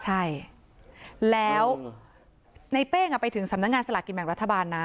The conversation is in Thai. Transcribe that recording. ใช่แล้วในเป้งไปถึงสำนักงานสลากกินแบ่งรัฐบาลนะ